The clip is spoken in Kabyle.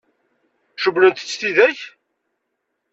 Cewwlent-tt tidak?